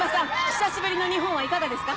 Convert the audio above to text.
久しぶりの日本はいかがですか？